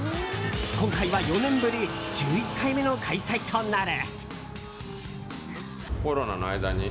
今回は４年ぶり１１回目の開催となる。